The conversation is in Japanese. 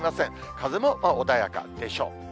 風も穏やかでしょう。